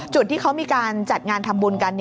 จุดที่เขามีการจัดงานทำบุญกัน